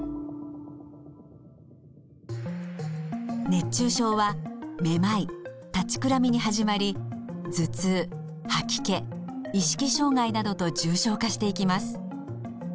熱中症はめまい立ちくらみに始まり頭痛吐き気意識障害などと重症化していきます。